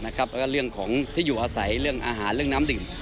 แล้วก็เรื่องของที่อยู่อาศัยเรื่องอาหารเรื่องน้ำดื่ม